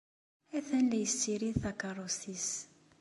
Atan la yessirid takeṛṛust-nnes.